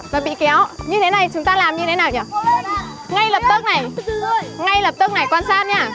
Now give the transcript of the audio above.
và bị kéo như thế này chúng ta làm như thế nào nhả ngay lập tức này ngay lập tức này quan sát nhé